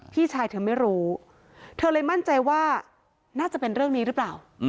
พี่ชายเธอไม่รู้เธอเลยมั่นใจว่าน่าจะเป็นเรื่องนี้หรือเปล่า